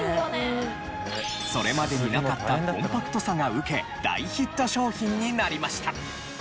それまでになかったコンパクトさが受け大ヒット商品になりました！